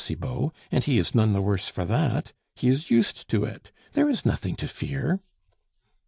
Cibot, "and he is none the worse for that. He is used to it. There is nothing to fear."